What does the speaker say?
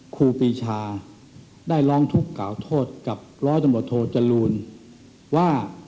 ครูพิชาได้ร้องทุกข์กล่าวโทษกับรศธจรูลว่า